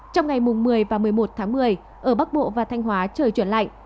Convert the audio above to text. trong ngày một mươi và một mươi một tháng một mươi ở bắc bộ và thanh hóa trời chuyển lạnh